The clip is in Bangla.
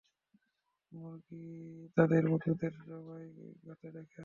মুরগি তাদের বন্ধুদের জবাই হতে দেখে।